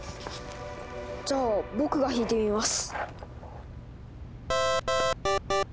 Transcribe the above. じゃあ僕が弾いてみます。